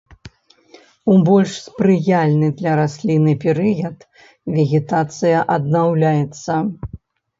У больш спрыяльны для расліны перыяд вегетацыя аднаўляецца.